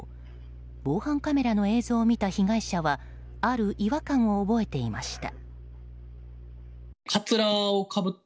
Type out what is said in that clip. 防犯カメラの映像を見た被害者はある違和感を覚えていました。